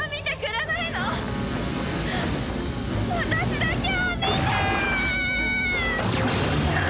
私だけを見てーっ！